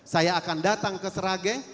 saya akan datang ke sera geng